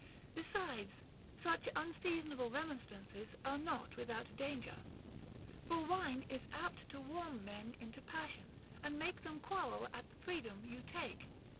Besides, such unseasonable remonstrances are not without danger ; for wine is apt to warm men into passion, and make them quarrel at the freedom you take.